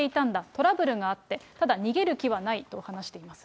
トラブルがあって、ただ、逃げる気はないと話しています。